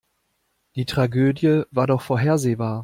Die Tragödie war doch vorhersehbar.